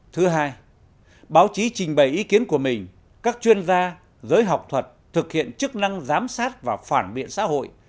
thứ hai báo chí trình bày ý kiến của mình các chuyên gia giới học thuật thực hiện chức năng giám sát và phản biện xã hội